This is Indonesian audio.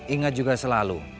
ingat juga selalu